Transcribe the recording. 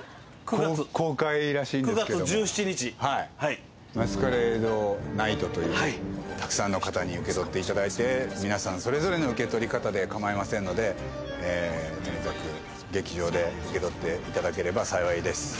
はいはい「マスカレード・ナイト」というはいたくさんの方に受け取っていただいて皆さんそれぞれの受け取り方で構いませんのでとにかく劇場で受け取っていただければ幸いです